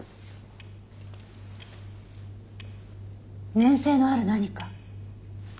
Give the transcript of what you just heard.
粘性のある何か。